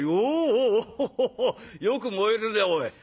「おおっよく燃えるねおい。